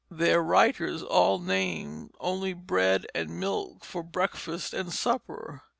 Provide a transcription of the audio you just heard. These writers all named only bread and milk for breakfast and supper.